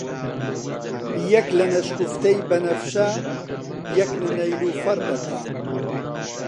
یەک لە نەشگوفتەی بەنەفشە، یەک لە نەیلۆفەڕ دەکا